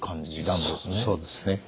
そうですね。